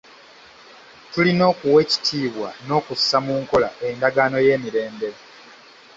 Tulina okuwa ekitiibwa n'okussa mu nkola endagaano y'emirembe.